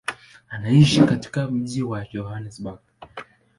Anaishi katika mji wa Johannesburg.